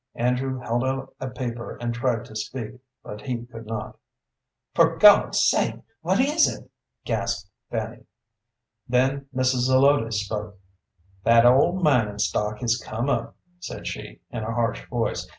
Andrew held out a paper and tried to speak, but he could not. "For God's sake, what is it?" gasped Fanny. Then Mrs. Zelotes spoke. "That old mining stock has come up," said she, in a harsh voice.